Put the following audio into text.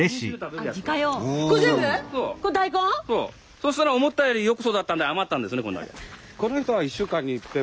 そしたら思ったよりよく育ったんで余ったんですねこんだけ。